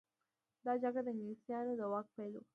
دا جګړه د انګلیسانو د واک پیل و.